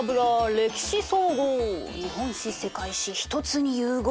歴史総合日本史世界史一つに融合。